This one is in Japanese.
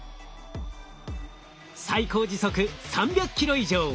最高時速３００ｋｍ以上。